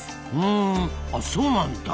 うんあそうなんだ。